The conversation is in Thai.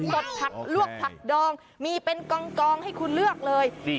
สดผักลวกผักดองมีเป็นกองให้คุณเลือกเลย